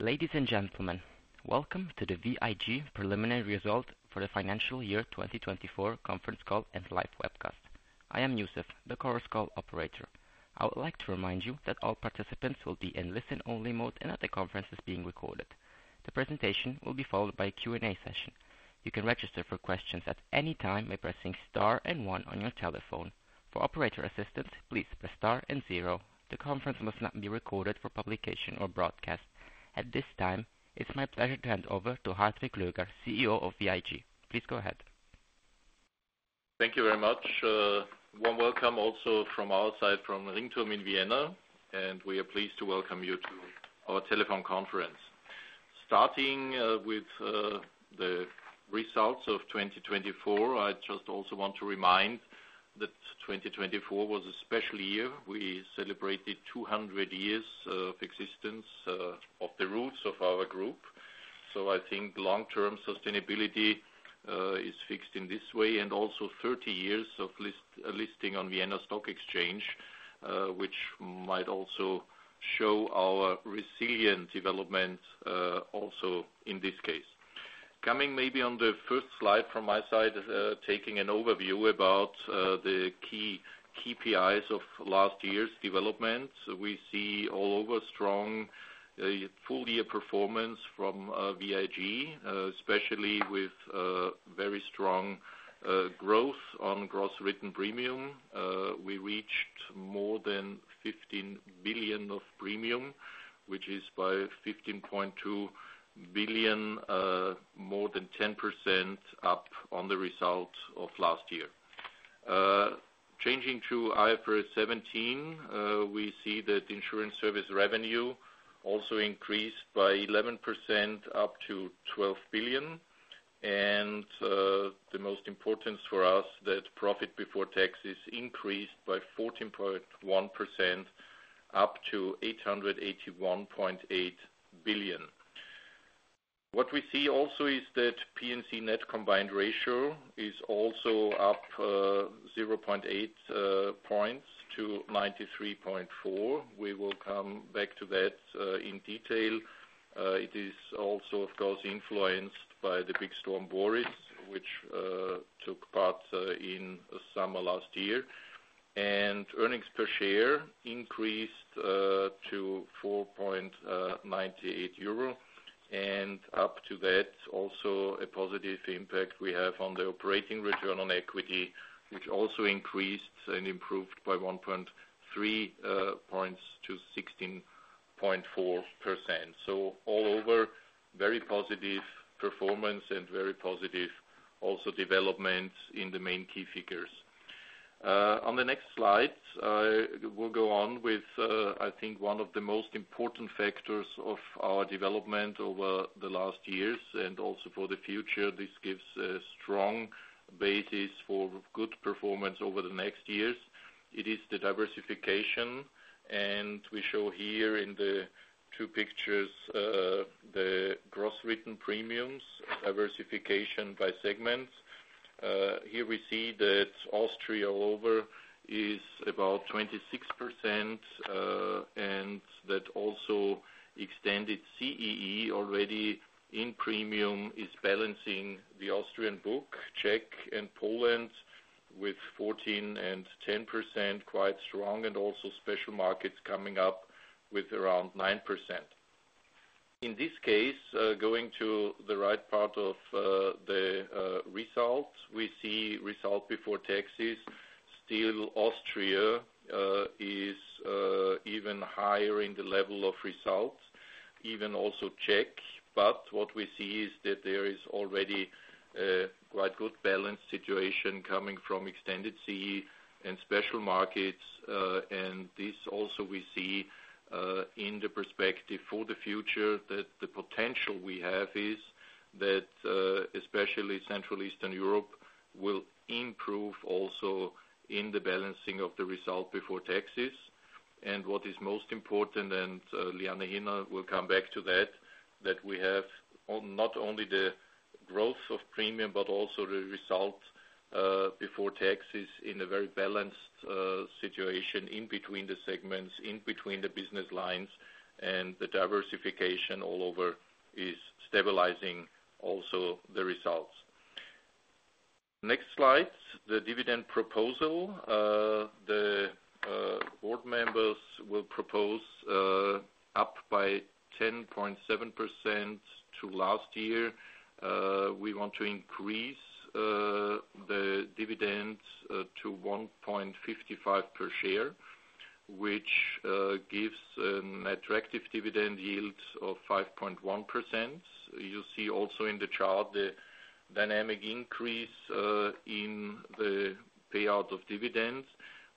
Ladies and gentlemen, welcome to the VIG Preliminary Results for the Financial Year 2024 Conference Call and Live Webcast. I am Youssef, the Chorus Call operator. I would like to remind you that all participants will be in listen-only mode and that the conference is being recorded. The presentation will be followed by a Q&A session. You can register for questions at any time by pressing star and one on your telephone. For operator assistance, please press star and zero. The conference must not be recorded for publication or broadcast. At this time, it's my pleasure to hand over to Hartwig Löger, CEO of VIG. Please go ahead. Thank you very much. Warm welcome also from our side, from Ringturm in Vienna, and we are pleased to welcome you to our telephone conference. Starting with the results of 2024, I just also want to remind that 2024 was a special year. We celebrated 200 years of existence of the roots of our group. I think long-term sustainability is fixed in this way, and also 30 years of listing on Vienna Stock Exchange, which might also show our resilient development also in this case. Coming maybe on the first slide from my side, taking an overview about the key KPIs of last year's development, we see all over strong full-year performance from VIG, especially with very strong growth on gross written premium. We reached more than 15 billion of premium, which is by 15.2 billion, more than 10% up on the result of last year. Changing to IFRS 17, we see that insurance service revenue also increased by 11%, up to 12 billion. The most important for us, that profit before tax is increased by 14.1%, up to 881.8 million. What we see also is that P&C net combined ratio is also up 0.8 percentage points to 93.4%. We will come back to that in detail. It is also, of course, influenced by the big storm Boris, which took part in the summer last year. Earnings per share increased to 4.98 euro. Up to that, also a positive impact we have on the operating return on equity, which also increased and improved by 1.3 points to 16.4%. All over, very positive performance and very positive also developments in the main key figures. On the next slide, we'll go on with, I think, one of the most important factors of our development over the last years and also for the future. This gives a strong basis for good performance over the next years. It is the diversification. We show here in the two pictures the gross written premiums, diversification by segments. Here we see that Austria all over is about 26%, and that also extended CEE already in premium is balancing the Austrian book, Czech, and Poland with 14 and 10%, quite strong, and also special markets coming up with around 9%. In this case, going to the right part of the result, we see result before taxes, still Austria is even higher in the level of results, even also Czech. What we see is that there is already a quite good balance situation coming from extended CEE and special markets. This also we see in the perspective for the future that the potential we have is that especially Central Eastern Europe will improve also in the balancing of the result before taxes. What is most important, and Liane Hirner will come back to that, is that we have not only the growth of premium, but also the result before taxes in a very balanced situation in between the segments, in between the business lines, and the diversification all over is stabilizing also the results. Next slide, the dividend proposal. The board members will propose up by 10.7% to last year. We want to increase the dividends to 1.55 per share, which gives an attractive dividend yield of 5.1%. You see also in the chart the dynamic increase in the payout of dividends,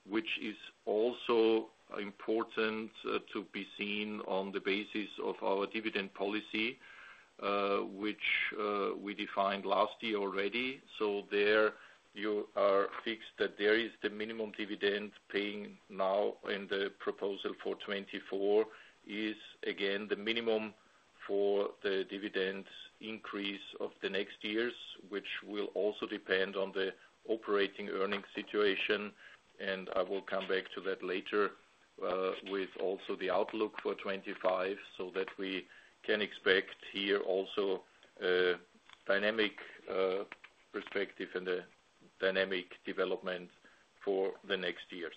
which is also important to be seen on the basis of our dividend policy, which we defined last year already. There you are fixed that there is the minimum dividend paying now in the proposal for 2024 is again the minimum for the dividends increase of the next years, which will also depend on the operating earnings situation. I will come back to that later with also the outlook for 2025 so that we can expect here also a dynamic perspective and a dynamic development for the next years.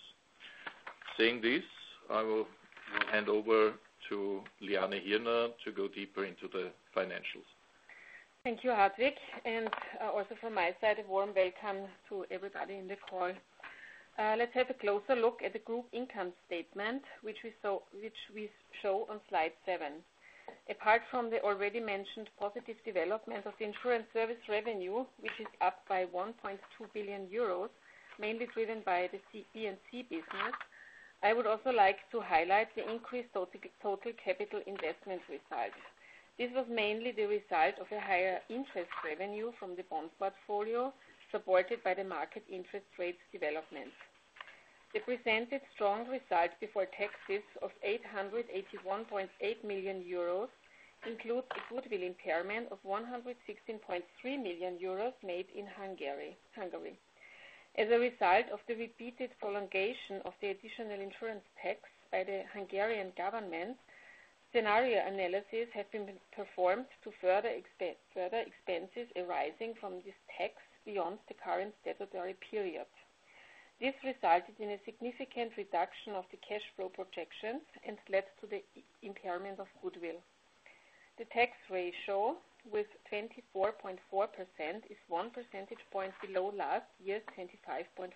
Saying this, I will hand over to Liane Hirner to go deeper into the financials. Thank you, Hartwig. Also from my side, a warm welcome to everybody in the call. Let's have a closer look at the group income statement, which we show on slide seven. Apart from the already mentioned positive development of insurance service revenue, which is up by 1.2 billion euros, mainly driven by the B&C business, I would also like to highlight the increased total capital investment result. This was mainly the result of a higher interest revenue from the bond portfolio supported by the market interest rate development. The presented strong result before taxes of 881.8 million euros includes a goodwill impairment of 116.3 million euros made in Hungary. As a result of the repeated prolongation of the additional insurance tax by the Hungarian government, scenario analysis has been performed to further expenses arising from this tax beyond the current statutory period. This resulted in a significant reduction of the cash flow projections and led to the impairment of goodwill. The tax ratio with 24.4% is one percentage point below last year's 25.4%.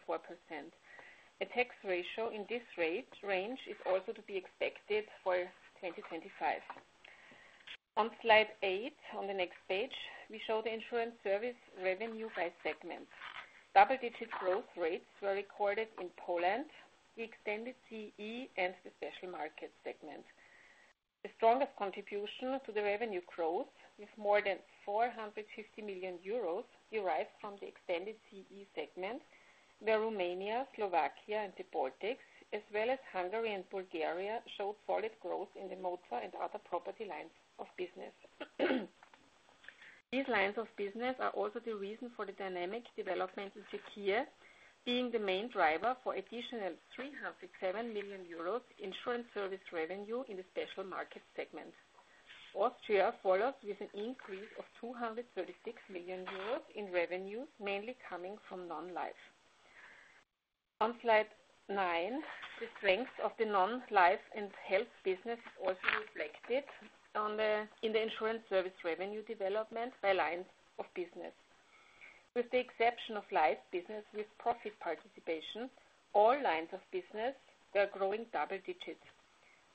A tax ratio in this range is also to be expected for 2025. On slide eight on the next page, we show the insurance service revenue by segments. Double-digit growth rates were recorded in Poland, the extended CEE, and the special market segment. The strongest contribution to the revenue growth, with more than 450 million euros, derived from the extended CEE segment, where Romania, Slovakia, and the Baltics, as well as Hungary and Bulgaria, showed solid growth in the motor and other property lines of business. These lines of business are also the reason for the dynamic development in Czechia, being the main driver for additional 307 million euros insurance service revenue in the special market segment. Austria follows with an increase of 236 million euros in revenues, mainly coming from non-life. On slide nine, the strength of the non-life and health business is also reflected in the insurance service revenue development by lines of business. With the exception of life business with profit participation, all lines of business were growing double digits.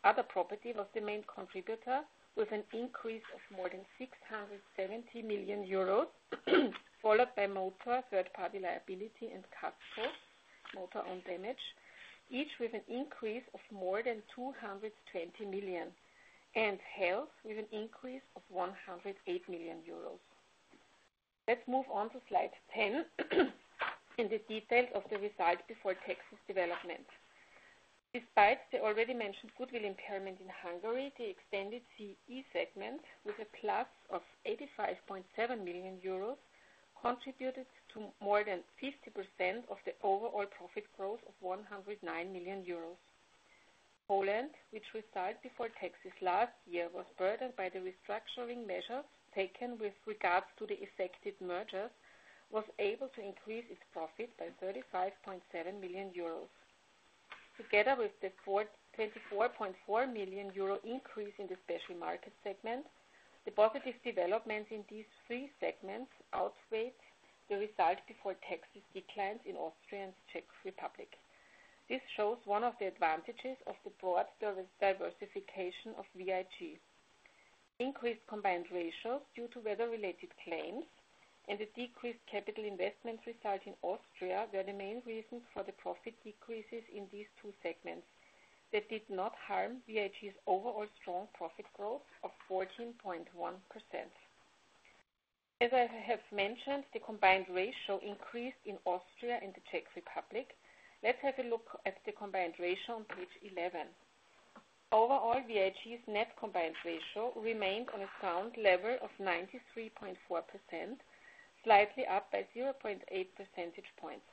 Other property was the main contributor, with an increase of more than 670 million euros, followed by motor, third-party liability, and CASCO, motor own damage, each with an increase of more than 220 million, and health with an increase of 108 million euros. Let's move on to slide 10 in the details of the result before taxes development. Despite the already mentioned goodwill impairment in Hungary, the extended CEE segment, with a plus of 85.7 million euros, contributed to more than 50% of the overall profit growth of 109 million euros. Poland, which resulted before taxes last year, was burdened by the restructuring measures taken with regards to the effective mergers, was able to increase its profit by 35.7 million euro. Together with the 24.4 million euro increase in the special market segment, the positive developments in these three segments outweighed the result before taxes declined in Austria and the Czech Republic. This shows one of the advantages of the broad diversification of VIG. Increased combined ratios due to weather-related claims and the decreased capital investment result in Austria were the main reasons for the profit decreases in these two segments that did not harm VIG's overall strong profit growth of 14.1%. As I have mentioned, the combined ratio increased in Austria and the Czech Republic. Let's have a look at the combined ratio on page 11. Overall, VIG's net combined ratio remained on a sound level of 93.4%, slightly up by 0.8 percentage points.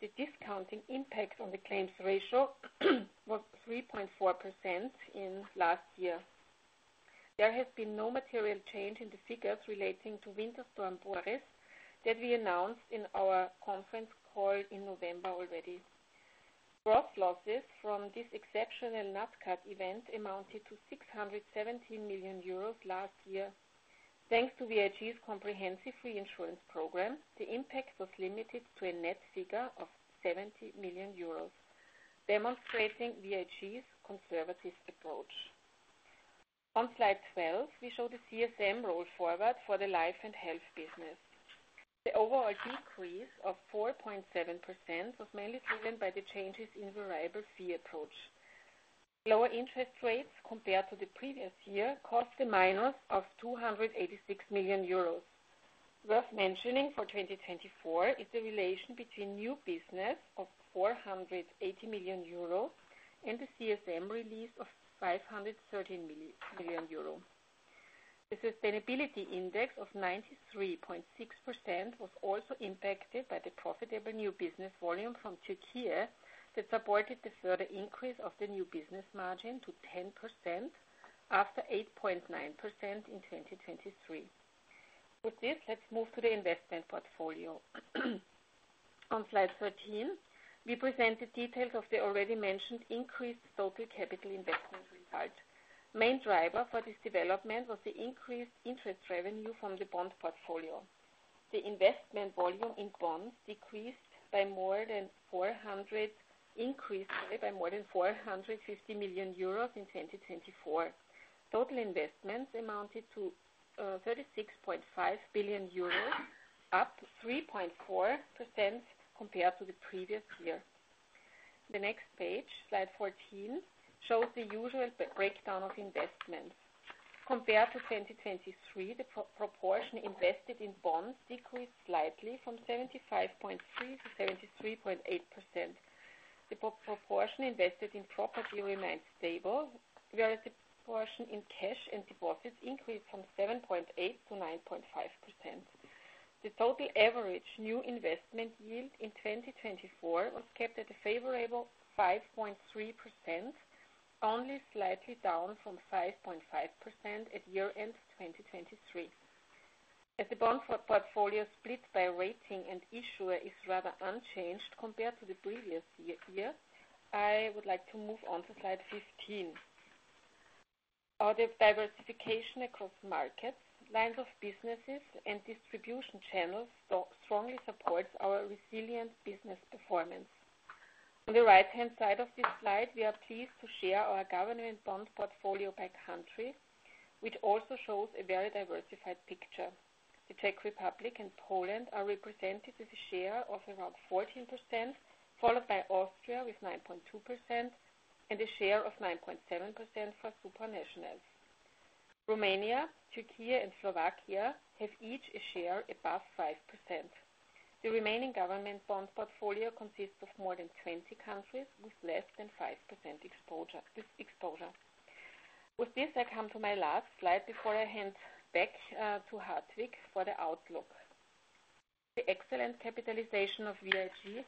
The discounting impact on the claims ratio was 3.4% in last year. There has been no material change in the figures relating to winter storm Boris that we announced in our conference call in November already. Gross losses from this exceptional event amounted to 617 million euros last year. Thanks to VIG's comprehensive reinsurance program, the impact was limited to a net figure of 70 million euros, demonstrating VIG's conservative approach. On slide 12, we show the CSM roll forward for the life and health business. The overall decrease of 4.7% was mainly driven by the changes in variable fee approach. Lower interest rates compared to the previous year caused a minus of 286 million euros. Worth mentioning for 2024 is the relation between new business of 480 million euro and the CSM release of 513 million euro. The sustainability index of 93.6% was also impacted by the profitable new business volume from Czechia that supported the further increase of the new business margin to 10% after 8.9% in 2023. With this, let's move to the investment portfolio. On slide 13, we present the details of the already mentioned increased total capital investment result. Main driver for this development was the increased interest revenue from the bond portfolio. The investment volume in bonds decreased by more than 400, increased by more than 450 million euros in 2024. Total investments amounted to 36.5 billion euros, up 3.4% compared to the previous year. The next page, slide 14, shows the usual breakdown of investments. Compared to 2023, the proportion invested in bonds decreased slightly from 75.3% to 73.8%. The proportion invested in property remained stable, whereas the proportion in cash and deposits increased from 7.8% to 9.5%. The total average new investment yield in 2024 was kept at a favorable 5.3%, only slightly down from 5.5% at year-end 2023. As the bond portfolio split by rating and issuer is rather unchanged compared to the previous year, I would like to move on to slide 15. Our diversification across markets, lines of businesses, and distribution channels strongly supports our resilient business performance. On the right-hand side of this slide, we are pleased to share our government bond portfolio by country, which also shows a very diversified picture. The Czech Republic and Poland are represented with a share of around 14%, followed by Austria with 9.2% and a share of 9.7% for super nationals. Romania, Czechia, and Slovakia have each a share above 5%. The remaining government bond portfolio consists of more than 20 countries with less than 5% exposure. With this, I come to my last slide before I hand back to Hartwig for the outlook. The excellent capitalization of VIG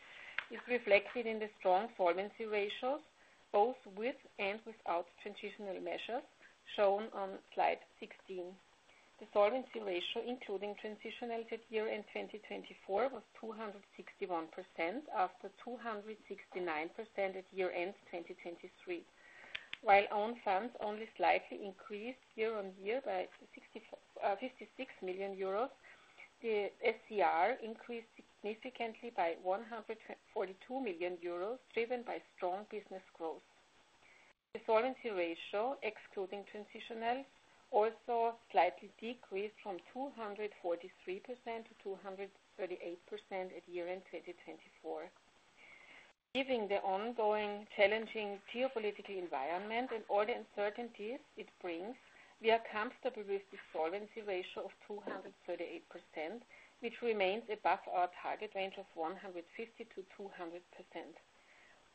is reflected in the strong solvency ratios, both with and without transitional measures shown on slide 16. The solvency ratio, including transitionals at year-end 2024, was 261% after 269% at year-end 2023. While own funds only slightly increased year-on-year by 56 million euros, the SER increased significantly by 142 million euros, driven by strong business growth. The solvency ratio, excluding transitionals, also slightly decreased from 243% to 238% at year-end 2024. Given the ongoing challenging geopolitical environment and all the uncertainties it brings, we are comfortable with the solvency ratio of 238%, which remains above our target range of 150-200%.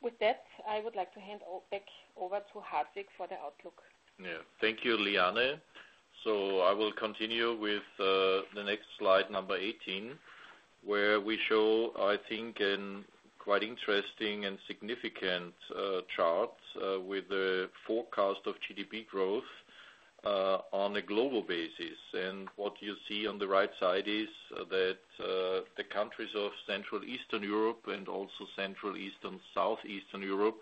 With that, I would like to hand back over to Hartwig for the outlook. Yeah, thank you, Liane. I will continue with the next slide, number 18, where we show, I think, a quite interesting and significant chart with the forecast of GDP growth on a global basis. What you see on the right side is that the countries of Central Eastern Europe and also Central Eastern, Southeastern Europe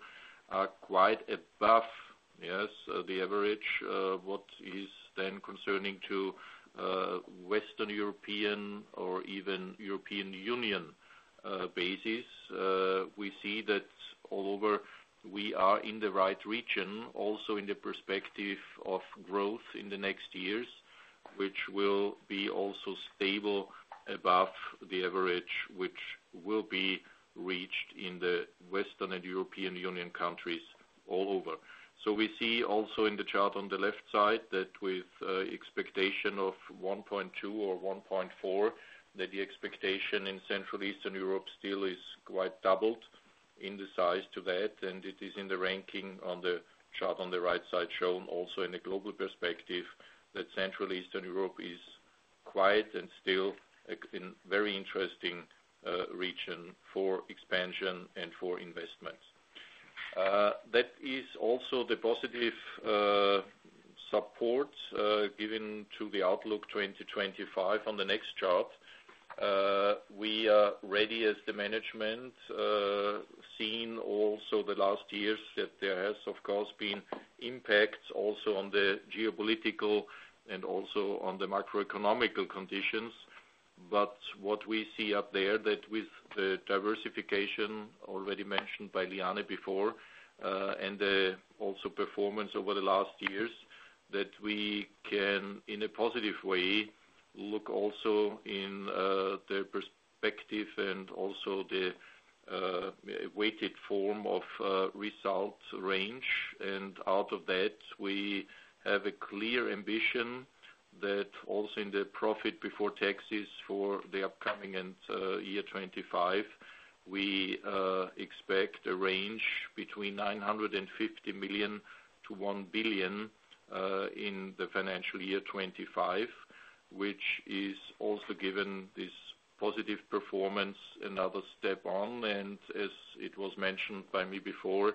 are quite above, yes, the average. What is then concerning to Western European or even European Union basis, we see that all over we are in the right region, also in the perspective of growth in the next years, which will be also stable above the average, which will be reached in the Western and European Union countries all over. We see also in the chart on the left side that with expectation of 1.2 or 1.4, the expectation in Central Eastern Europe still is quite doubled in the size to that. It is in the ranking on the chart on the right side shown also in the global perspective that Central Eastern Europe is quite and still a very interesting region for expansion and for investment. That is also the positive support given to the outlook 2025 on the next chart. We are ready as the management seen also the last years that there has, of course, been impacts also on the geopolitical and also on the macroeconomical conditions. What we see up there is that with the diversification already mentioned by Liane before and also performance over the last years, we can in a positive way look also in the perspective and also the weighted form of result range. Out of that, we have a clear ambition that also in the profit before taxes for the upcoming year 2025, we expect a range between 950 million-1 billion in the financial year 2025, which is also given this positive performance another step on. As it was mentioned by me before,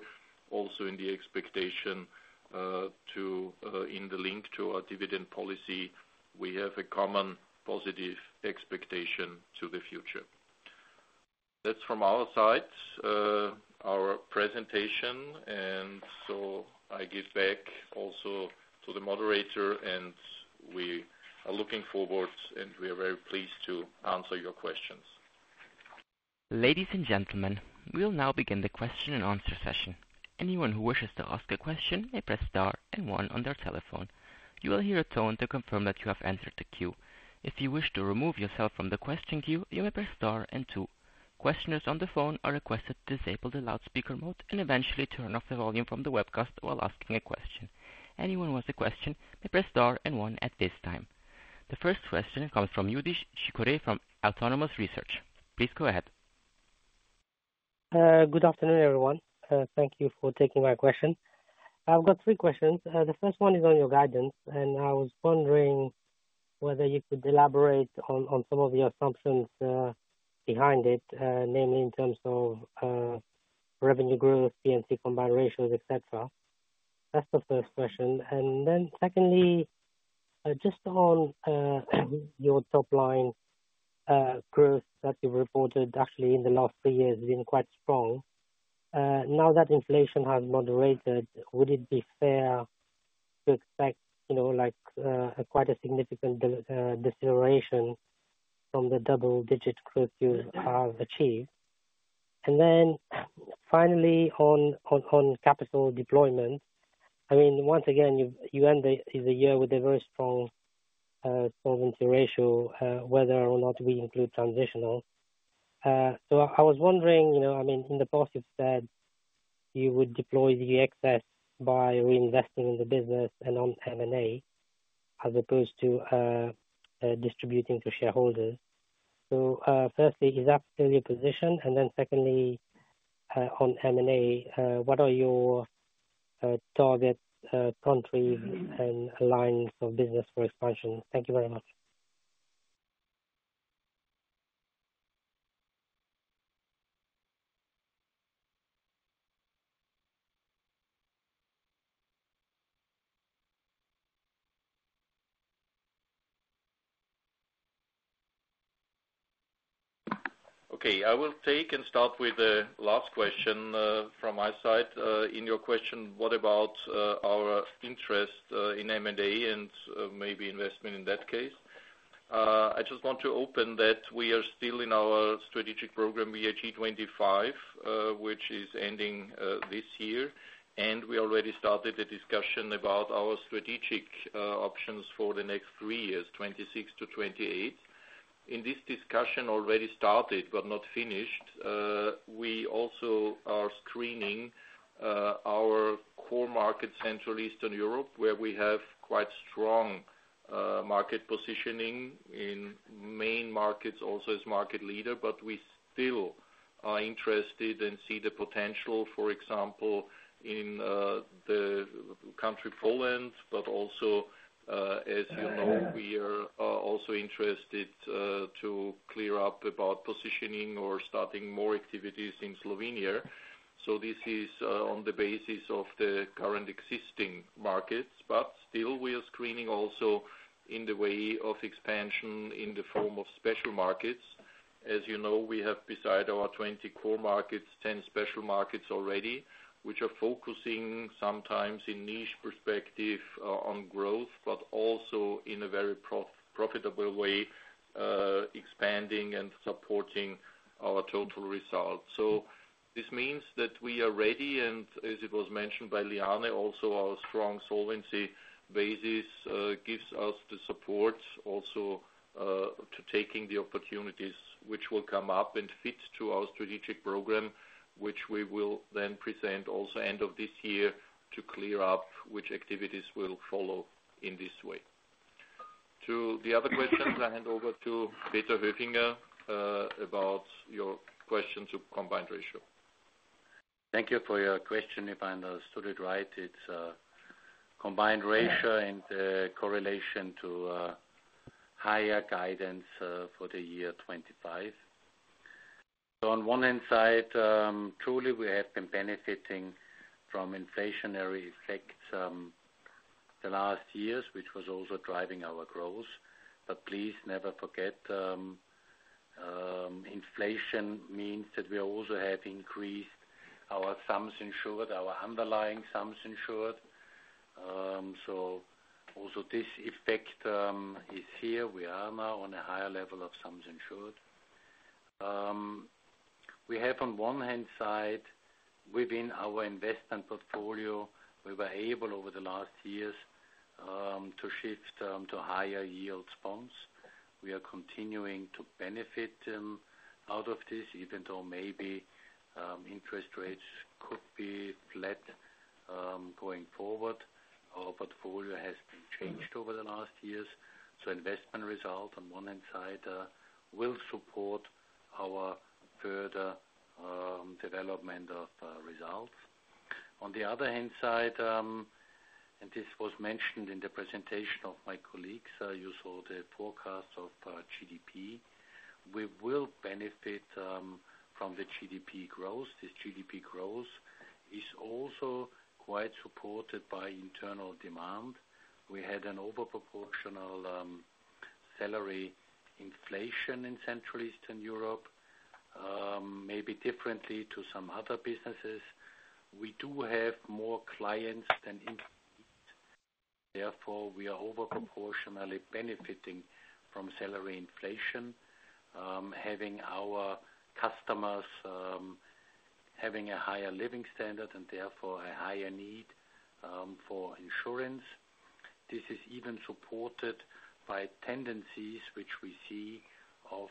also in the expectation in the link to our dividend policy, we have a common positive expectation to the future. That is from our side, our presentation. I give back also to the moderator, and we are looking forward, and we are very pleased to answer your questions. Ladies and gentlemen, we'll now begin the question and answer session. Anyone who wishes to ask a question may press star and one on their telephone. You will hear a tone to confirm that you have entered the queue. If you wish to remove yourself from the question queue, you may press star and two. Questioners on the phone are requested to disable the loudspeaker mode and eventually turn off the volume from the webcast while asking a question. Anyone who has a question may press star and one at this time. The first question comes from Youdish Chicooree from Autonomous Research. Please go ahead. Good afternoon, everyone. Thank you for taking my question. I've got three questions. The first one is on your guidance, and I was wondering whether you could elaborate on some of the assumptions behind it, namely in terms of revenue growth, P&C combined ratios, etc. That is the first question. Secondly, just on your top line growth that you've reported, actually in the last three years has been quite strong. Now that inflation has moderated, would it be fair to expect quite a significant deceleration from the double-digit growth you have achieved? Finally, on capital deployment, I mean, once again, you end the year with a very strong solvency ratio, whether or not we include transitional. I was wondering, I mean, in the past, you've said you would deploy the excess by reinvesting in the business and on M&A as opposed to distributing to shareholders. Firstly, is that still your position? Secondly, on M&A, what are your target countries and lines of business for expansion? Thank you very much. Okay, I will take and start with the last question from my side. In your question, what about our interest in M&A and maybe investment in that case? I just want to open that we are still in our strategic program, VIG25, which is ending this year. We already started the discussion about our strategic options for the next three years, 2026 to 2028. This discussion already started but not finished, we also are screening our core market, Central Eastern Europe, where we have quite strong market positioning in main markets, also as market leader, but we still are interested and see the potential, for example, in the country Poland, but also, as you know, we are also interested to clear up about positioning or starting more activities in Slovenia. This is on the basis of the current existing markets, but still we are screening also in the way of expansion in the form of special markets. As you know, we have, beside our 20 core markets, 10 special markets already, which are focusing sometimes in niche perspective on growth, but also in a very profitable way, expanding and supporting our total result. This means that we are ready, and as it was mentioned by Liane, also our strong solvency basis gives us the support also to taking the opportunities which will come up and fit to our strategic program, which we will then present also end of this year to clear up which activities will follow in this way. To the other questions, I hand over to Peter Höfinger about your question to combined ratio. Thank you for your question. If I understood it right, it's a combined ratio and correlation to higher guidance for the year 2025. On one hand side, truly we have been benefiting from inflationary effects the last years, which was also driving our growth. Please never forget, inflation means that we also have increased our sums insured, our underlying sums insured. Also this effect is here. We are now on a higher level of sums insured. On one hand side, within our investment portfolio, we were able over the last years to shift to higher yields bonds. We are continuing to benefit out of this, even though maybe interest rates could be flat going forward. Our portfolio has been changed over the last years. Investment result, on one hand side, will support our further development of results. On the other hand side, and this was mentioned in the presentation of my colleagues, you saw the forecast of GDP. We will benefit from the GDP growth. This GDP growth is also quite supported by internal demand. We had an overproportional salary inflation in Central Eastern Europe, maybe differently to some other businesses. We do have more clients than employees. Therefore, we are overproportionally benefiting from salary inflation, having our customers having a higher living standard and therefore a higher need for insurance. This is even supported by tendencies which we see of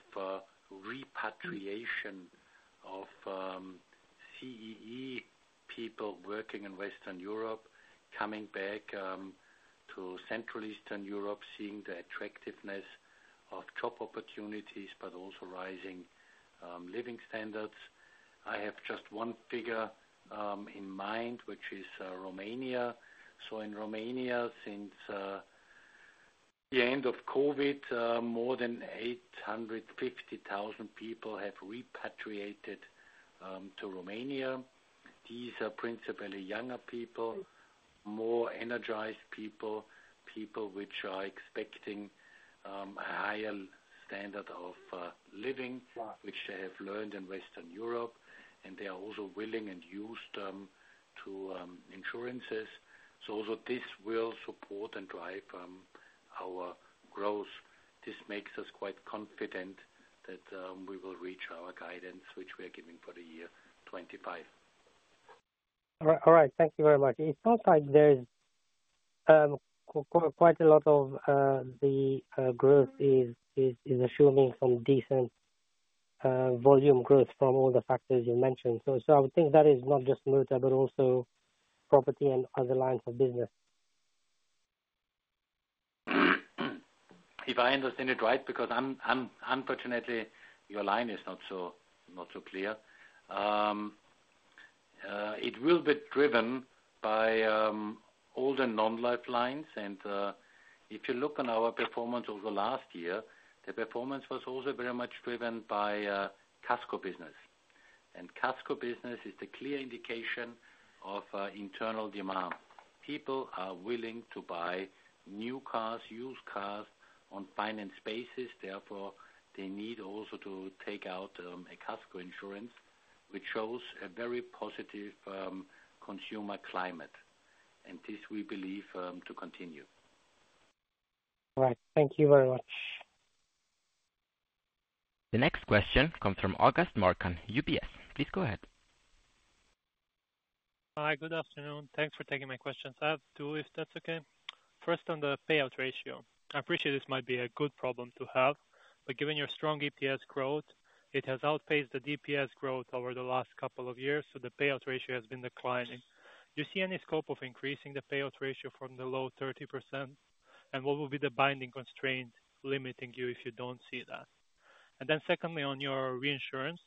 repatriation of CEE people working in Western Europe coming back to Central Eastern Europe, seeing the attractiveness of job opportunities, but also rising living standards. I have just one figure in mind, which is Romania. So in Romania, since the end of COVID, more than 850,000 people have repatriated to Romania. These are principally younger people, more energized people, people which are expecting a higher standard of living, which they have learned in Western Europe, and they are also willing and used to insurances. This will support and drive our growth. This makes us quite confident that we will reach our guidance, which we are giving for the year 2025. All right. Thank you very much. It sounds like there's quite a lot of the growth is assuming some decent volume growth from all the factors you mentioned. I would think that is not just motor, but also property and other lines of business. If I understand it right, because unfortunately, your line is not so clear, it will be driven by all the non-life lines. If you look on our performance over the last year, the performance was also very much driven by CASCO business. CASCO business is the clear indication of internal demand. People are willing to buy new cars, used cars on finance basis. Therefore, they need also to take out a CASCO insurance, which shows a very positive consumer climate. This we believe to continue. All right. Thank you very much. The next question comes from August Marcan, UBS. Please go ahead. Hi, good afternoon. Thanks for taking my questions. I have two if that's okay. First, on the payout ratio. I appreciate this might be a good problem to have, but given your strong EPS growth, it has outpaced the DPS growth over the last couple of years, so the payout ratio has been declining. Do you see any scope of increasing the payout ratio from the low 30%? What will be the binding constraint limiting you if you don't see that? Secondly, on your reinsurance,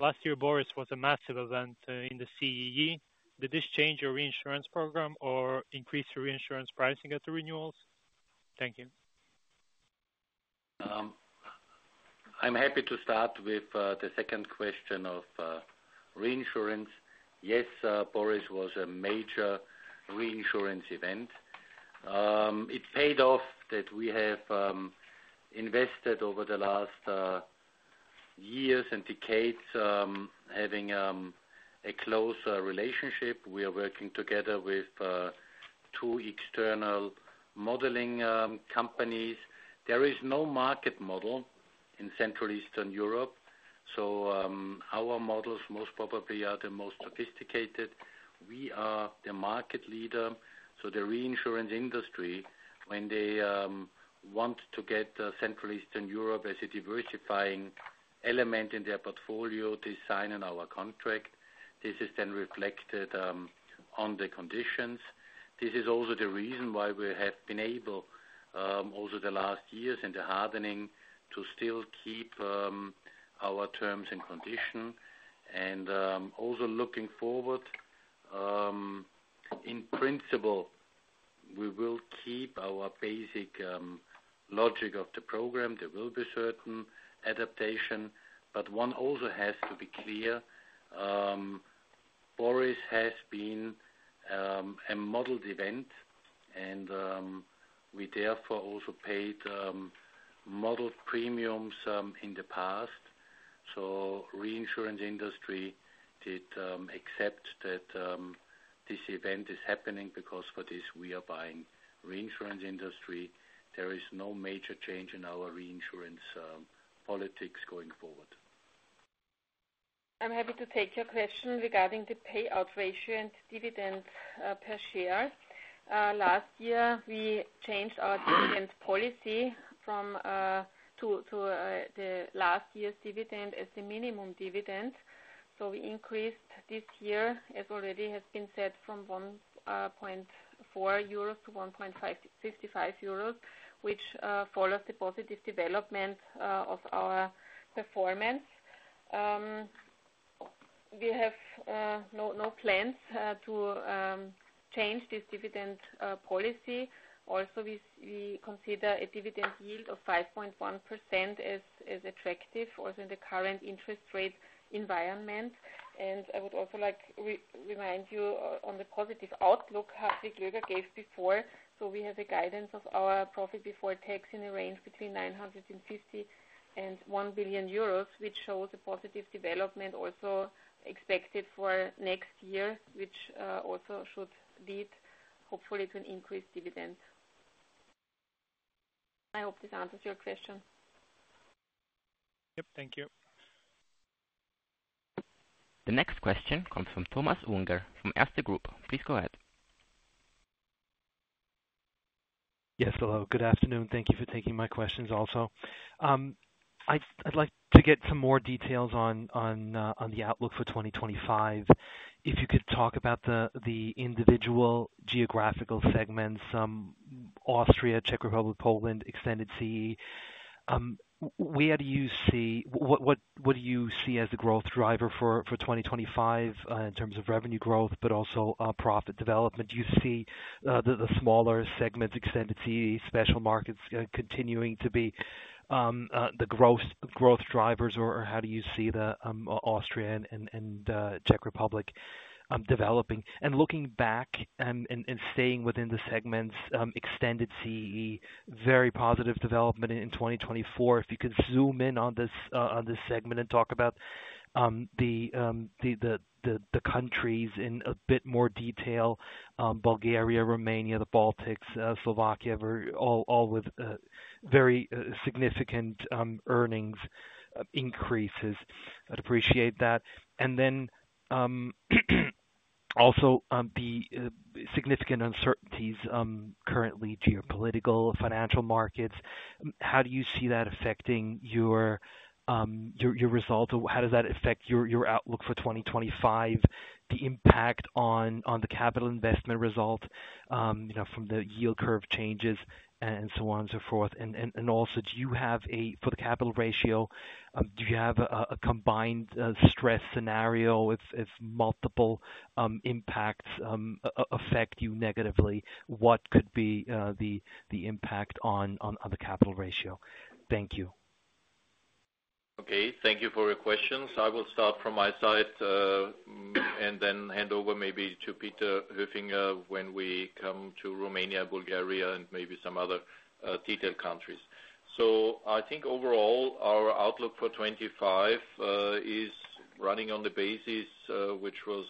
last year Boris was a massive event in the CEE. Did this change your reinsurance program or increase your reinsurance pricing at the renewals? Thank you. I'm happy to start with the second question of reinsurance. Yes, Boris was a major reinsurance event. It paid off that we have invested over the last years and decades having a closer relationship. We are working together with two external modeling companies. There is no market model in Central Eastern Europe, so our models most probably are the most sophisticated. We are the market leader. The reinsurance industry, when they want to get Central Eastern Europe as a diversifying element in their portfolio, they sign on our contract. This is then reflected on the conditions. This is also the reason why we have been able over the last years and the hardening to still keep our terms and conditions. Also looking forward, in principle, we will keep our basic logic of the program. There will be certain adaptation, but one also has to be clear. Boris has been a modeled event, and we therefore also paid modeled premiums in the past. The reinsurance industry did accept that this event is happening because for this we are buying reinsurance industry. There is no major change in our reinsurance politics going forward. I'm happy to take your question regarding the payout ratio and dividend per share. Last year, we changed our dividend policy to the last year's dividend as the minimum dividend. We increased this year, as already has been said, from 1.4 euros to 1.55 euros, which follows the positive development of our performance. We have no plans to change this dividend policy. Also, we consider a dividend yield of 5.1% as attractive also in the current interest rate environment. I would also like to remind you of the positive outlook Hartwig Löger gave before. We have a guidance of our profit before tax in a range between 950 million and 1 billion euros, which shows a positive development also expected for next year, which also should lead, hopefully, to an increased dividend. I hope this answers your question. Yep, thank you. The next question comes from Thomas Unger from Erste Group. Please go ahead. Yes, hello. Good afternoon. Thank you for taking my questions also. I'd like to get some more details on the outlook for 2025. If you could talk about the individual geographical segments, Austria, Czech Republic, Poland, extended CE, what do you see as the growth driver for 2025 in terms of revenue growth, but also profit development? Do you see the smaller segments, extended CEE, special markets continuing to be the growth drivers, or how do you see Austria and Czech Republic developing? Looking back and staying within the segments, extended CEE, very positive development in 2024. If you could zoom in on this segment and talk about the countries in a bit more detail, Bulgaria, Romania, the Baltics, Slovakia, all with very significant earnings increases. I'd appreciate that. Also, the significant uncertainties currently, geopolitical, financial markets. How do you see that affecting your result? How does that affect your outlook for 2025, the impact on the capital investment result from the yield curve changes and so on and so forth? Also, do you have a, for the capital ratio, do you have a combined stress scenario if multiple impacts affect you negatively? What could be the impact on the capital ratio? Thank you. Okay. Thank you for your questions. I will start from my side and then hand over maybe to Peter Höfinger when we come to Romania, Bulgaria, and maybe some other detailed countries. I think overall our outlook for 2025 is running on the basis which was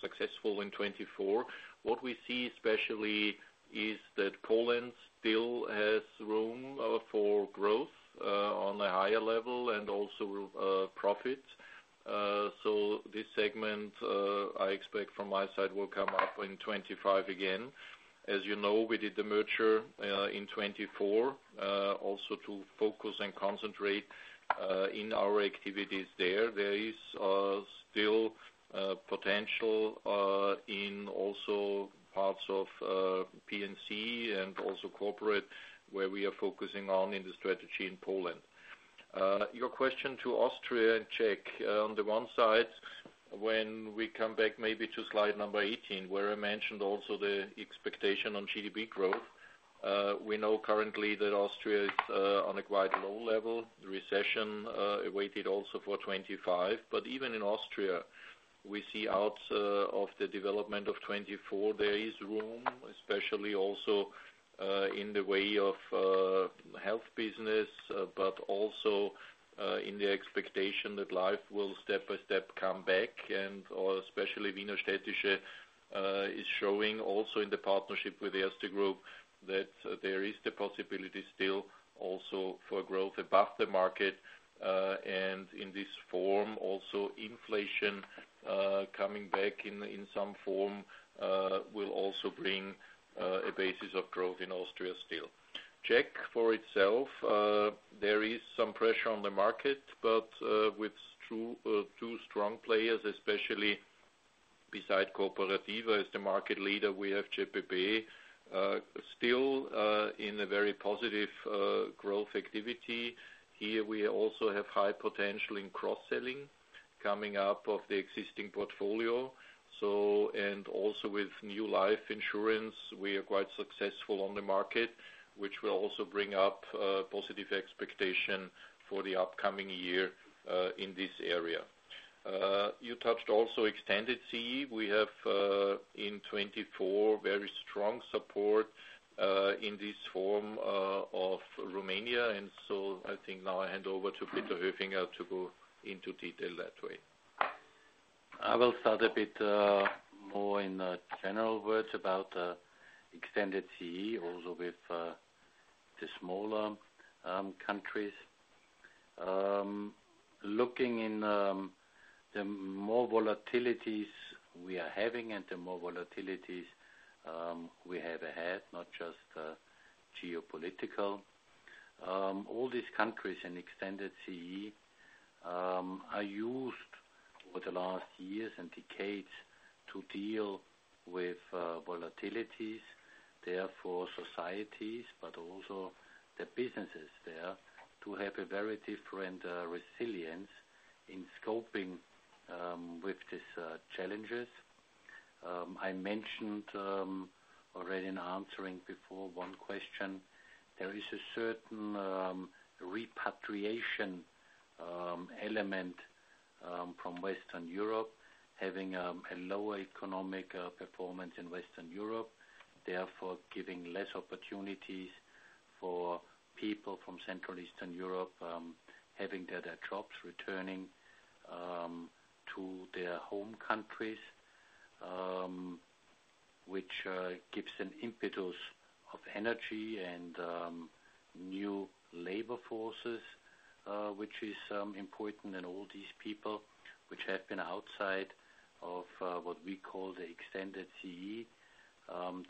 successful in 2024. What we see especially is that Poland still has room for growth on a higher level and also profits. This segment, I expect from my side, will come up in 2025 again. As you know, we did the merger in 2024 also to focus and concentrate in our activities there. There is still potential in also parts of P&C and also corporate where we are focusing on in the strategy in Poland. Your question to Austria and Czech, on the one side, when we come back maybe to slide number 18, where I mentioned also the expectation on GDP growth, we know currently that Austria is on a quite low level. The recession awaited also for 2025. Even in Austria, we see out of the development of 2024, there is room, especially also in the way of health business, but also in the expectation that life will step by step come back. Especially Wiener Städtische is showing also in the partnership with Erste Group that there is the possibility still also for growth above the market. In this form, also inflation coming back in some form will also bring a basis of growth in Austria still. Czech for itself, there is some pressure on the market, but with two strong players, especially beside Kooperativa as the market leader, we have JPB still in a very positive growth activity. Here, we also have high potential in cross-selling coming up of the existing portfolio. Also with new life insurance, we are quite successful on the market, which will also bring up positive expectation for the upcoming year in this area. You touched also extended CEE. We have in 2024 very strong support in this form of Romania. I think now I hand over to Peter Höfinger to go into detail that way. I will start a bit more in general words about extended CEE, also with the smaller countries. Looking in the more volatilities we are having and the more volatilities we have ahead, not just geopolitical, all these countries in extended CEE are used over the last years and decades to deal with volatilities, therefore societies, but also the businesses there to have a very different resilience in scoping with these challenges. I mentioned already in answering before one question, there is a certain repatriation element from Western Europe having a lower economic performance in Western Europe, therefore giving less opportunities for people from Central Eastern Europe having their jobs returning to their home countries, which gives an impetus of energy and new labor forces, which is important in all these people which have been outside of what we call the extended CEE.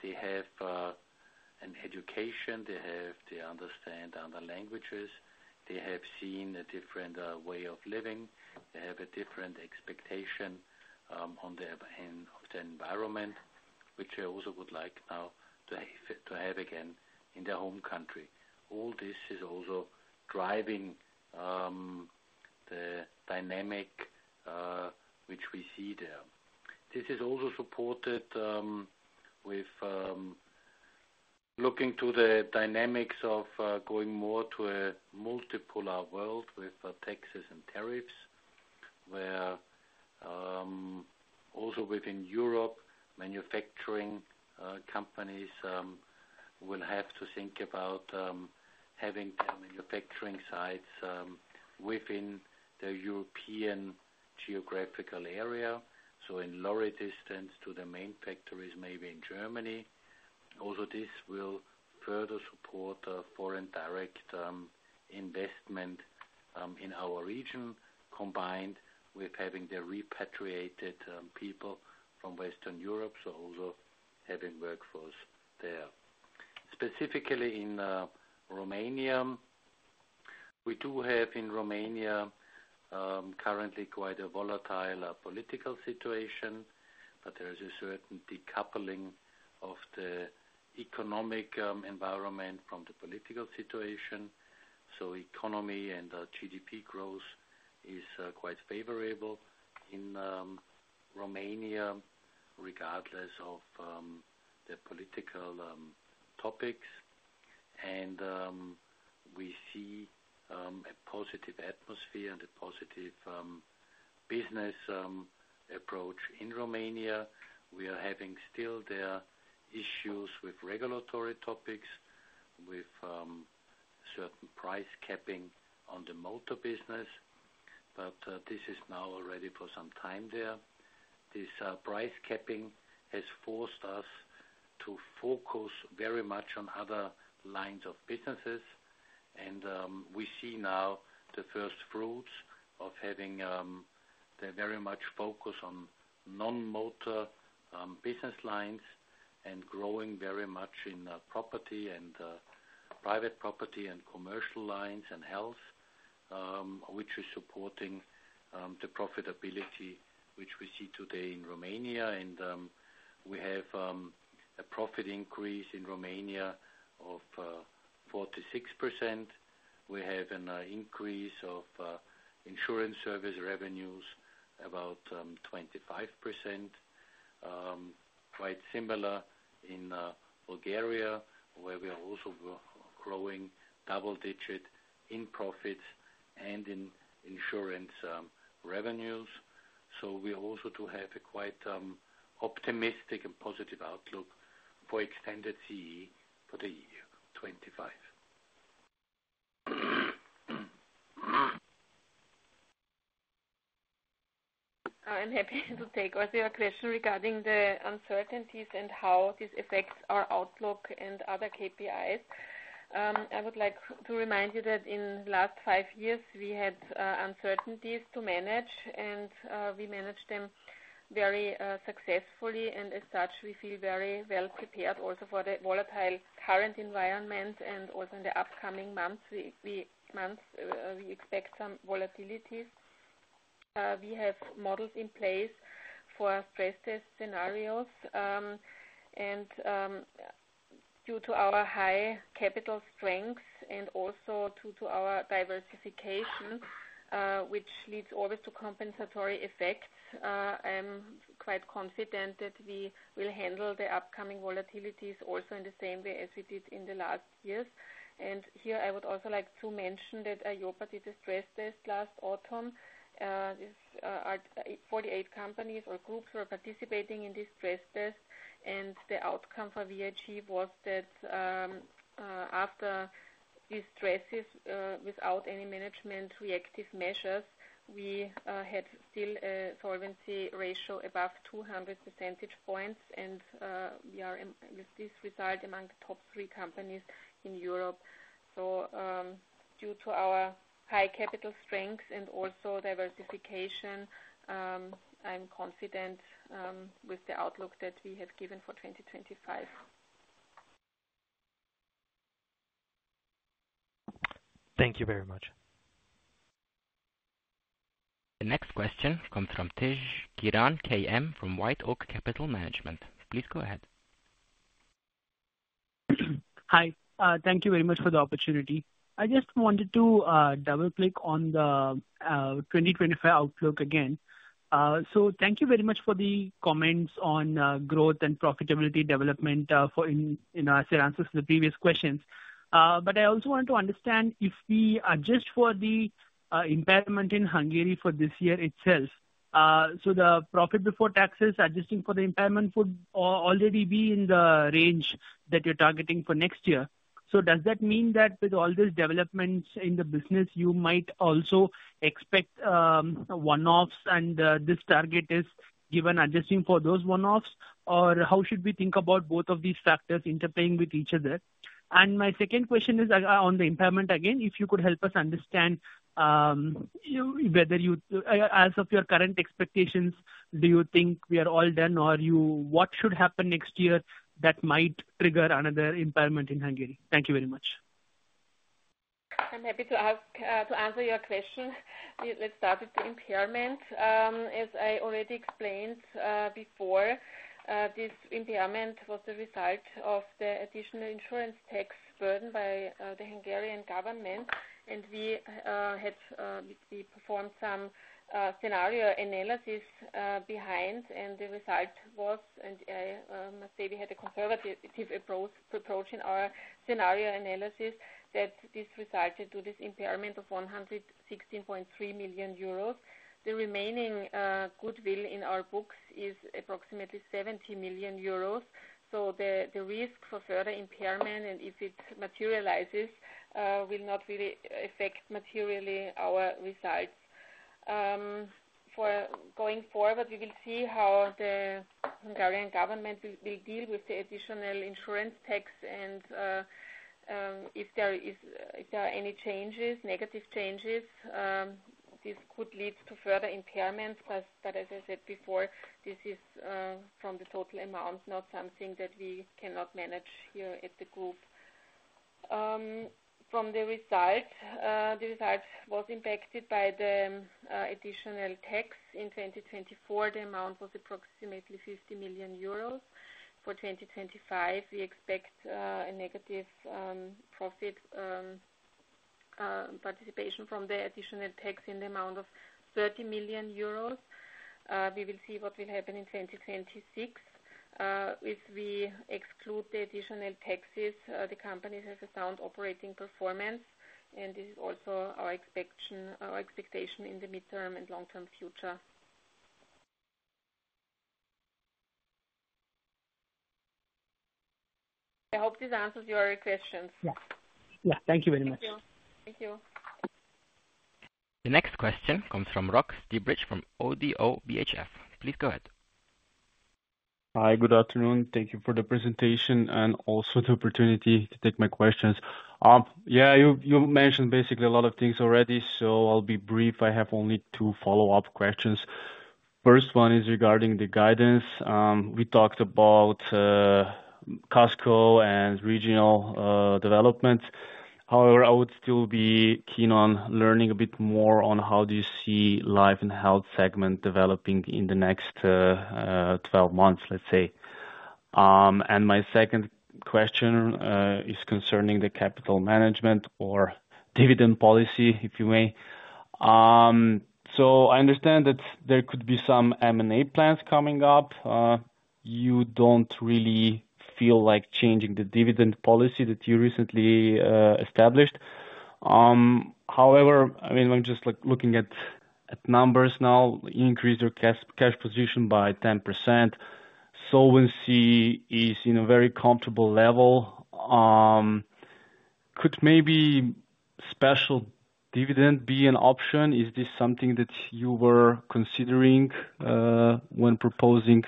They have an education, they understand other languages, they have seen a different way of living, they have a different expectation on the environment, which I also would like now to have again in their home country. All this is also driving the dynamic which we see there. This is also supported with looking to the dynamics of going more to a multipolar world with taxes and tariffs, where also within Europe, manufacturing companies will have to think about having their manufacturing sites within the European geographical area, in lower distance to the main factories maybe in Germany. This will further support foreign direct investment in our region combined with having the repatriated people from Western Europe, also having workforce there. Specifically in Romania, we do have in Romania currently quite a volatile political situation, but there is a certain decoupling of the economic environment from the political situation. Economy and GDP growth is quite favorable in Romania regardless of the political topics. We see a positive atmosphere and a positive business approach in Romania. We are having still there issues with regulatory topics, with certain price capping on the motor business, but this is now already for some time there. This price capping has forced us to focus very much on other lines of businesses. We see now the first fruits of having the very much focus on non-motor business lines and growing very much in property and private property and commercial lines and health, which is supporting the profitability which we see today in Romania. We have a profit increase in Romania of 46%. We have an increase of insurance service revenues about 25%. Quite similar in Bulgaria, where we are also growing double-digit in profits and in insurance revenues. We also do have a quite optimistic and positive outlook for extended CEE for the year 2025. I'm happy to take also your question regarding the uncertainties and how this affects our outlook and other KPIs. I would like to remind you that in the last five years, we had uncertainties to manage, and we managed them very successfully. As such, we feel very well prepared also for the volatile current environment. Also in the upcoming months, we expect some volatilities. We have models in place for stress test scenarios. Due to our high capital strengths and also due to our diversification, which leads always to compensatory effects, I'm quite confident that we will handle the upcoming volatilities also in the same way as we did in the last years. Here, I would also like to mention that IOPA did a stress test last autumn. Forty-eight companies or groups were participating in this stress test. The outcome for VIG was that after these stresses without any management reactive measures, we had still a solvency ratio above 200 percentage points. We are with this result among the top three companies in Europe. Due to our high capital strengths and also diversification, I'm confident with the outlook that we have given for 2025. Thank you very much. The next question comes from Tejkiran K M from White Oak Capital Management. Please go ahead. Hi. Thank you very much for the opportunity. I just wanted to double-click on the 2025 outlook again. Thank you very much for the comments on growth and profitability development in answers to the previous questions. I also wanted to understand if we adjust for the impairment in Hungary for this year itself. The profit before taxes adjusting for the impairment would already be in the range that you're targeting for next year. Does that mean that with all this development in the business, you might also expect one-offs and this target is given adjusting for those one-offs? How should we think about both of these factors interplaying with each other? My second question is on the impairment again, if you could help us understand whether you, as of your current expectations, do you think we are all done or what should happen next year that might trigger another impairment in Hungary? Thank you very much. I'm happy to answer your question. Let's start with the impairment. As I already explained before, this impairment was the result of the additional insurance tax burden by the Hungarian government. We performed some scenario analysis behind. The result was, and I must say we had a conservative approach in our scenario analysis, that this resulted to this impairment of 116.3 million euros. The remaining goodwill in our books is approximately 70 million euros. The risk for further impairment and if it materializes will not really affect materially our results. Going forward, we will see how the Hungarian government will deal with the additional insurance tax and if there are any changes, negative changes, this could lead to further impairments. As I said before, this is from the total amount, not something that we cannot manage here at the group. From the result, the result was impacted by the additional tax in 2024. The amount was approximately 50 million euros. For 2025, we expect a negative profit participation from the additional tax in the amount of 30 million euros. We will see what will happen in 2026. If we exclude the additional taxes, the companies have a sound operating performance. This is also our expectation in the midterm and long-term future. I hope this answers your questions. Yeah. Yeah. Thank you very much. Thank you. Thank you. The next question comes from Rok Stibric from ODDO BHF. Please go ahead. Hi. Good afternoon. Thank you for the presentation and also the opportunity to take my questions. Yeah, you mentioned basically a lot of things already, so I'll be brief. I have only two follow-up questions. First one is regarding the guidance. We talked about CASCO and regional developments. However, I would still be keen on learning a bit more on how do you see life and health segment developing in the next 12 months, let's say. My second question is concerning the capital management or dividend policy, if you may. I understand that there could be some M&A plans coming up. You don't really feel like changing the dividend policy that you recently established. I mean, I'm just looking at numbers now, increase your cash position by 10%. Solvency is in a very comfortable level. Could maybe special dividend be an option? Is this something that you were considering when proposing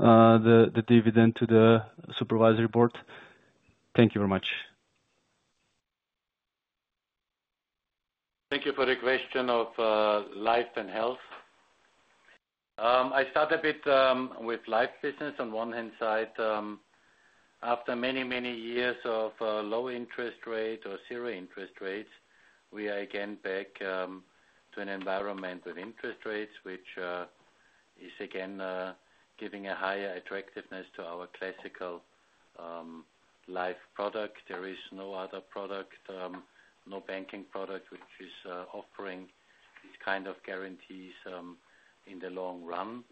the dividend to the Supervisory Board? Thank you very much. Thank you for the question of life and health. I start a bit with life business. On one hand side, after many, many years of low interest rate or zero interest rates, we are again back to an environment with interest rates, which is again giving a higher attractiveness to our classical life product. There is no other product, no banking product which is offering these kind of guarantees in the long run.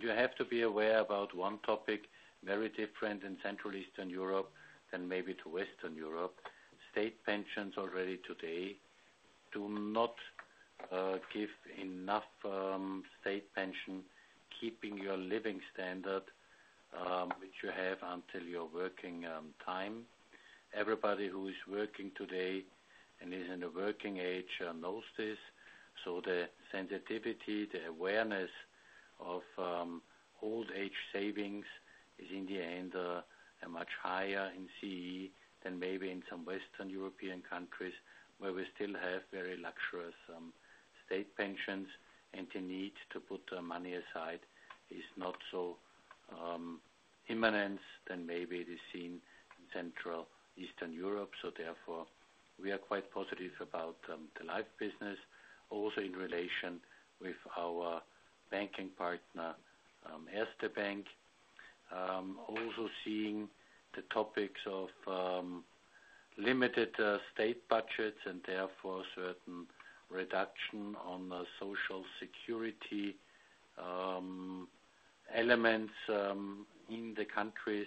You have to be aware about one topic very different in Central Eastern Europe than maybe to Western Europe. State pensions already today do not give enough state pension keeping your living standard which you have until your working time. Everybody who is working today and is in the working age knows this. The sensitivity, the awareness of old-age savings is in the end much higher in CEE than maybe in some Western European countries where we still have very luxurious state pensions. The need to put money aside is not so imminent than maybe it is seen in Central Eastern Europe. Therefore, we are quite positive about the life business, also in relation with our banking partner, Erste Bank. Also seeing the topics of limited state budgets and therefore certain reduction on social security elements in the countries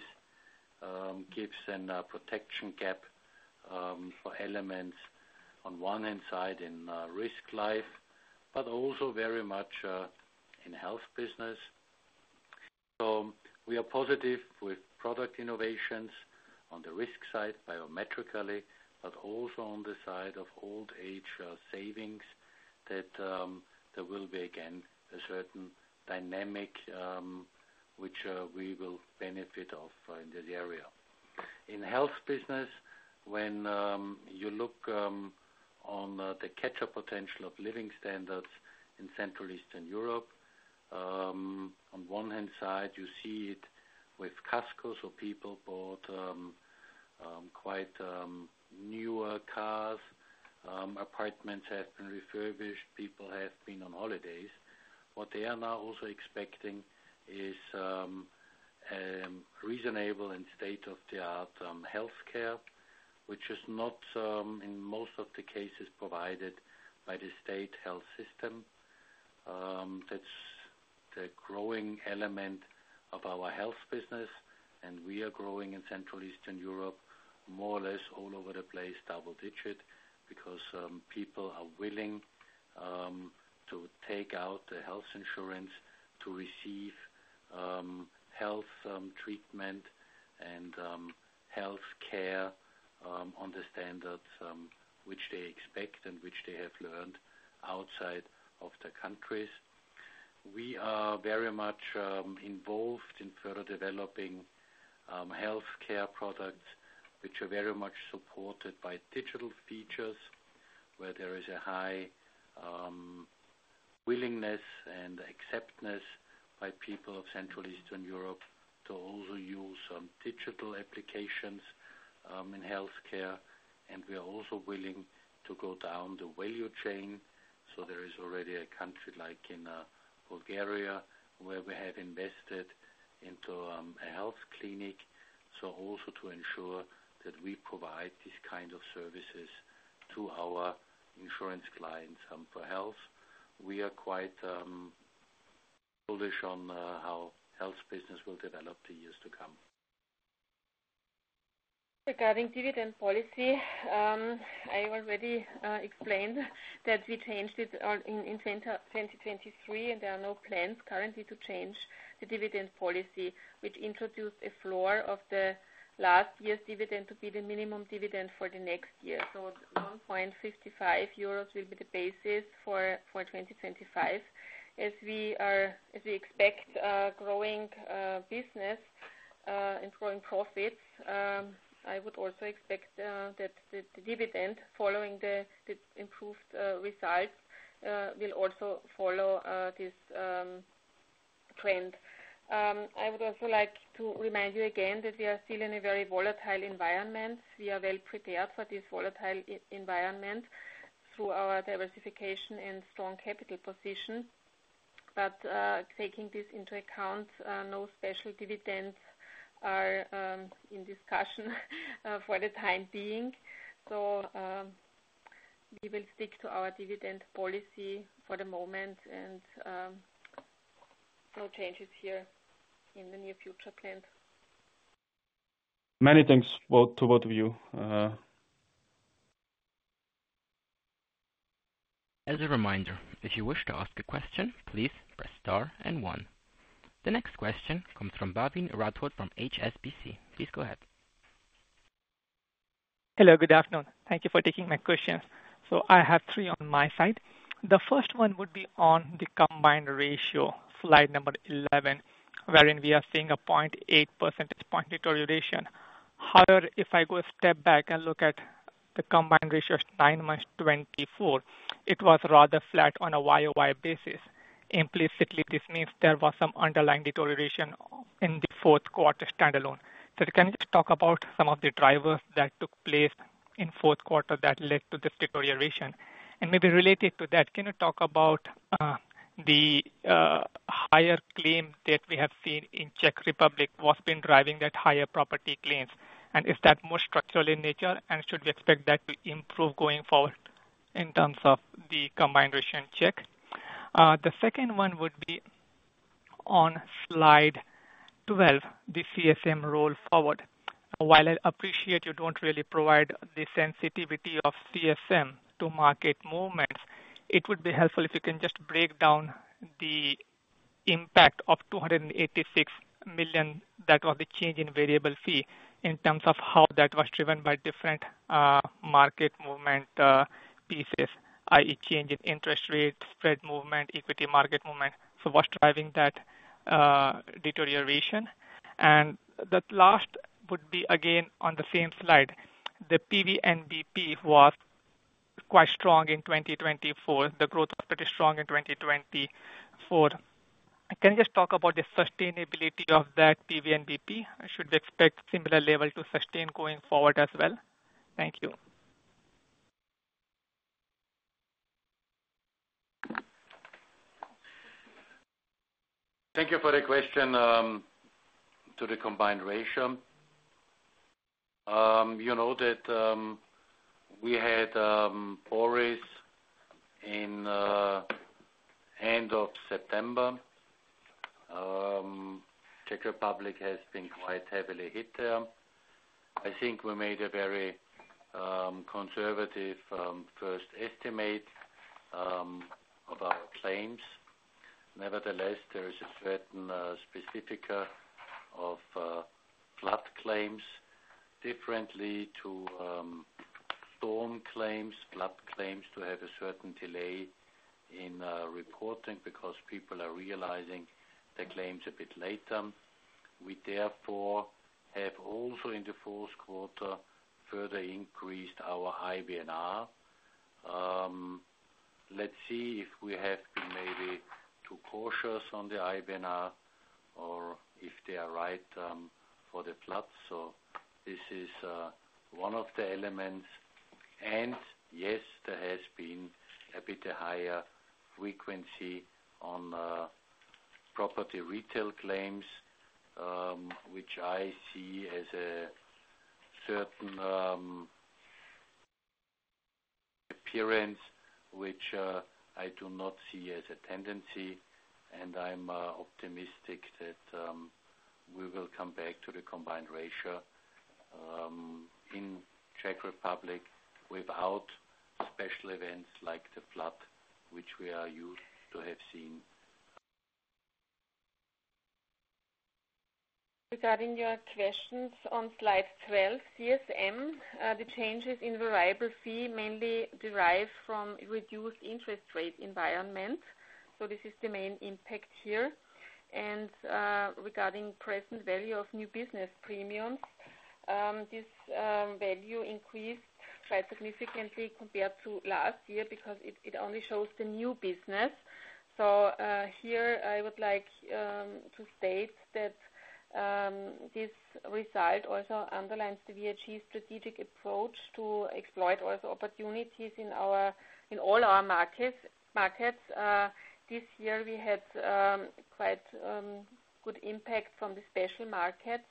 gives a protection gap for elements on one hand side in risk life, but also very much in health business. We are positive with product innovations on the risk side biometrically, but also on the side of old-age savings that there will be again a certain dynamic which we will benefit of in this area. In health business, when you look on the catch-up potential of living standards in Central Eastern Europe, on one hand side, you see it with CASCOs or people bought quite newer cars, apartments have been refurbished, people have been on holidays. What they are now also expecting is reasonable and state-of-the-art healthcare, which is not in most of the cases provided by the state health system. That's the growing element of our health business. We are growing in Central Eastern Europe more or less all over the place double-digit because people are willing to take out the health insurance to receive health treatment and healthcare on the standards which they expect and which they have learned outside of the countries. We are very much involved in further developing healthcare products which are very much supported by digital features where there is a high willingness and acceptance by people of Central Eastern Europe to also use digital applications in healthcare. We are also willing to go down the value chain. There is already a country like in Bulgaria where we have invested into a health clinic to also ensure that we provide these kind of services to our insurance clients for health. We are quite bullish on how health business will develop the years to come. Regarding dividend policy, I already explained that we changed it in 2023, and there are no plans currently to change the dividend policy, which introduced a floor of the last year's dividend to be the minimum dividend for the next year. 1.55 euros will be the basis for 2025. As we expect growing business and growing profits, I would also expect that the dividend following the improved results will also follow this trend. I would also like to remind you again that we are still in a very volatile environment. We are well prepared for this volatile environment through our diversification and strong capital position. Taking this into account, no special dividends are in discussion for the time being. We will stick to our dividend policy for the moment and no changes here in the near future planned. Many thanks to both of you. As a reminder, if you wish to ask a question, please press star and one. The next question comes from Bhavin Rathod from HSBC. Please go ahead. Hello, good afternoon. Thank you for taking my question. I have three on my side. The first one would be on the combined ratio, slide number 11, wherein we are seeing a 0.8% point deterioration. However, if I go a step back and look at the combined ratio of nine months 2024, it was rather flat on a YOY basis. Implicitly, this means there was some underlying deterioration in the fourth quarter standalone. Can you just talk about some of the drivers that took place in fourth quarter that led to this deterioration? Maybe related to that, can you talk about the higher claim that we have seen in Czech Republic, what's been driving that higher property claims? Is that more structural in nature? Should we expect that to improve going forward in terms of the combined ratio in Czech? The second one would be on slide 12, the CSM roll forward. While I appreciate you do not really provide the sensitivity of CSM to market movements, it would be helpful if you can just break down the impact of 286 million that was the change in variable fee in terms of how that was driven by different market movement pieces, i.e., change in interest rate, spread movement, equity market movement. What is driving that deterioration? The last would be again on the same slide. The PVNBP was quite strong in 2024. The growth was pretty strong in 2024. Can you just talk about the sustainability of that PVNBP? Should we expect similar level to sustain going forward as well? Thank you. Thank you for the question to the combined ratio. You know that we had Boris in the end of September. Czech Republic has been quite heavily hit there. I think we made a very conservative first estimate of our claims. Nevertheless, there is a certain specific of flood claims differently to storm claims, flood claims do have a certain delay in reporting because people are realizing the claims a bit later. We therefore have also in the fourth quarter further increased our IBNR. Let's see if we have been maybe too cautious on the IBNR or if they are right for the floods. This is one of the elements. Yes, there has been a bit of higher frequency on property retail claims, which I see as a certain appearance, which I do not see as a tendency. I'm optimistic that we will come back to the combined ratio in Czech Republic without special events like the flood, which we are used to have seen. Regarding your questions on slide 12, CSM, the changes in variable fee mainly derive from reduced interest rate environment. This is the main impact here. Regarding present value of new business premiums, this value increased quite significantly compared to last year because it only shows the new business. I would like to state that this result also underlines the VIG strategic approach to exploit also opportunities in all our markets. This year, we had quite good impact from the special markets,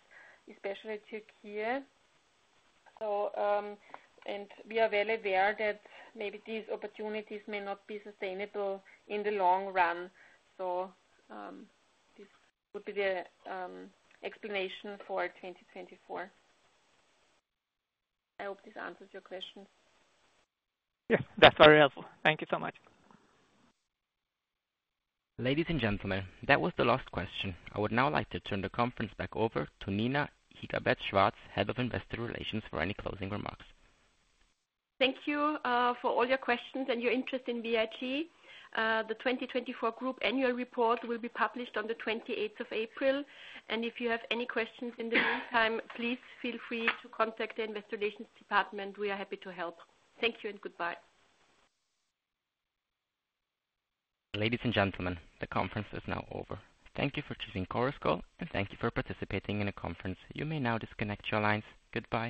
especially [Türkiye]. We are well aware that maybe these opportunities may not be sustainable in the long run. This would be the explanation for 2024. I hope this answers your question. Yeah, that's very helpful. Thank you so much. Ladies and gentlemen, that was the last question. I would now like to turn the conference back over to Nina Higatzberger-Schwarz, Head of Investor Relations, for any closing remarks. Thank you for all your questions and your interest in VIG. The 2024 group annual report will be published on the 28th of April. If you have any questions in the meantime, please feel free to contact the Investor Relations department. We are happy to help. Thank you and goodbye. Ladies and gentlemen, the conference is now over. Thank you for choosing Chorus Call, and thank you for participating in the conference. You may now disconnect your lines. Goodbye.